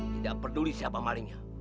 tidak peduli siapa malingnya